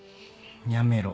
やめろ。